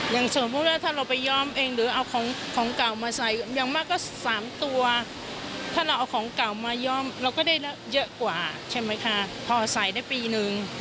อย่างสมมุติว่าถ้าเราไปยอมเองหรือเอาของของเก่ามาใส่อย่างมากก็๓ตัวถ้าเราเอาของเก่ามายอมเราก็ได้เยอะกว่าใช่ไหมคะพอใส่ได้ปีนึง